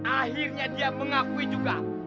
akhirnya dia mengakui juga